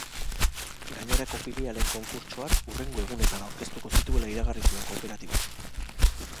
Gainerako filialen konkurtsoak hurrengo egunetan aurkeztuko zituela iragarri zuen kooperatibak.